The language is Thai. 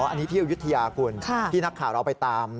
อันนี้ที่อายุทยาคุณที่นักข่าวเราไปตาม